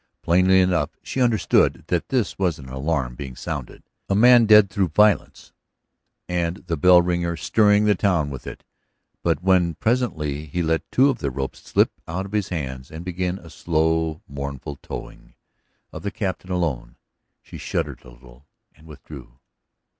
Plainly enough she understood that this was an alarm being sounded; a man dead through violence, and the bell ringer stirring the town with it. But when presently he let two of the ropes slip out of his hands and began a slow, mournful tolling of the Captain alone, she shuddered a little and withdrew.